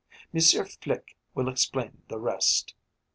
Monsieur Flique will explain the rest.